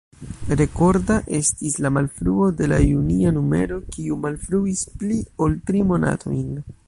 Rekorda estis la malfruo de la junia numero, kiu malfruis pli ol tri monatojn.